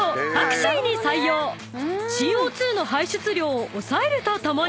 ［ＣＯ２の排出量を抑えるとともに］